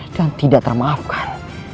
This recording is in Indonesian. dan tidak termaafkan